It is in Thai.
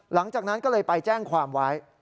หลังจากนั้นก็เลยไปแจ้งความไว้